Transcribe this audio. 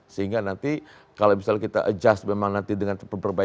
sehingga nanti kalau misalnya kita adjust memang nanti dengan perbaikan